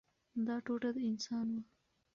دا ټوټه د انسان وه.